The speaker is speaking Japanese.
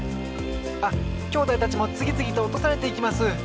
あっきょうだいたちもつぎつぎとおとされていきます！